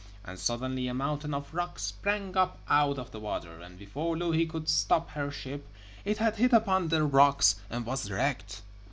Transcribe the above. And suddenly a mountain of rock sprang up out of the water, and before Louhi could stop her ship it had hit upon the rocks and was wrecked.